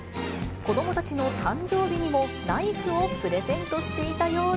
子どもたちの誕生日にもナイフをプレゼントしていたようで。